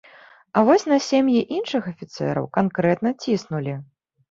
А вось на сем'і іншых афіцэраў канкрэтна ціснулі.